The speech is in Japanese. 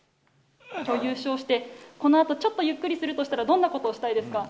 優勝して、このあとちょっとゆっくりするとしたら、どんなことをしたいですか？